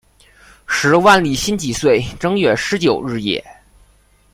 时万历辛己岁正月十九日也。